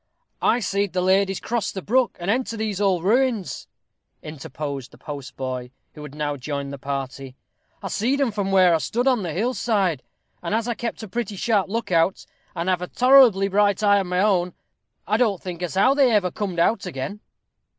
"I see'd the ladies cross the brook, and enter these old ruins," interposed the postboy, who had now joined the party. "I see'd 'em from where I stood on the hill side; and as I kept a pretty sharp look out, and have a tolerably bright eye of my own, I don't think as how they ever comed out again."